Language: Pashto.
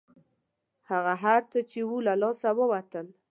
هغه هر څه چې وو له لاسه ووتل.